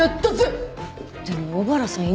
でも小原さん犬